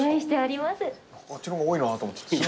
何かあっちの方が多いなと思っちゃって。